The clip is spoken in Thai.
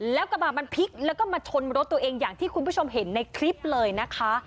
แล้วกระบาดมันพลิกแล้วก็มาชนรถตัวเองอย่างที่คุณผู้ชมเห็นในคลิปเลยนะคะ